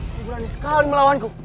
kau berani sekali melawanku